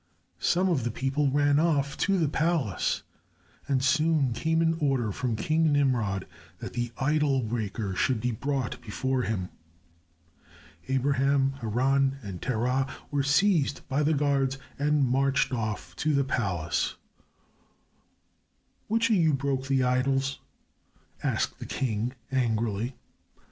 Some of the people ran off to the palace, and soon came an order from King Nimrod that the idol breaker should be brought before him. Abraham, Haran and Terah were seized by the guards and marched off to the palace. "Which of you broke the idols?" asked the king, angrily.